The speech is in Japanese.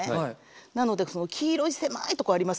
なのでその黄色い狭いとこありますよね。